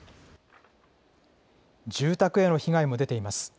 住宅への被害も出ています。